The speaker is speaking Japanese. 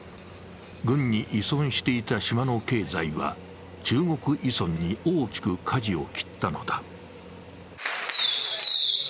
軍に依存していた島の経済は、中国依存に大きくかじを切ったのだ。